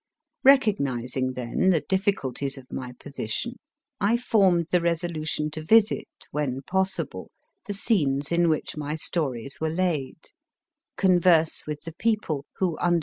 Recognising, then, the difficulties of my position, I formed the resolution to visit when possible the scenes in which my stories were laid ; converse with the people who, under &.